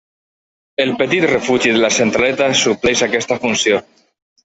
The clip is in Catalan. El petit Refugi de la Centraleta supleix aquesta funció.